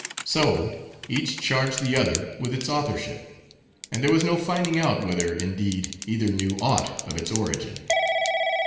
So, each charged the other with its authorship: and there was no finding out, whether, indeed, either knew aught of its origin.